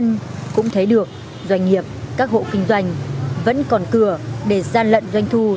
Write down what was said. nhưng cũng thấy được doanh nghiệp các hộ kinh doanh vẫn còn cửa để gian lận doanh thu